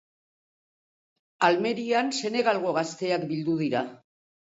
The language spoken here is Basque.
Almerian Senegalgo gazteak bildu dira.